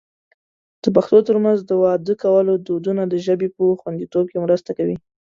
د پښتنو ترمنځ د واده کولو دودونو د ژبې په خوندیتوب کې مرسته کړې.